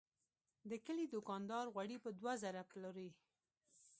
د کلي دوکاندار غوړي په دوه زره پلوري.